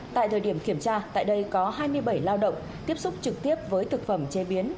tại thời điểm kiểm tra tại đây có hai mươi bảy lao động tiếp xúc trực tiếp với thực phẩm chế biến